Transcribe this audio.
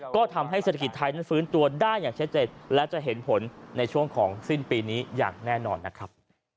ก็ทำให้เศรษฐกิจไทยนั้นฟื้นตัวได้อย่างชัดเจนและจะเห็นผลในช่วงของสิ้นปีนี้อย่างแน่นอนนะครับ